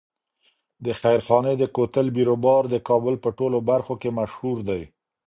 د خیرخانې د کوتل بیروبار د کابل په ټولو برخو کې مشهور دی.